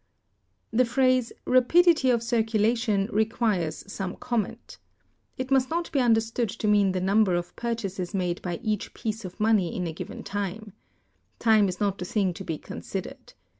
The phrase, rapidity of circulation, requires some comment. It must not be understood to mean the number of purchases made by each piece of money in a given time. Time is not the thing to be considered.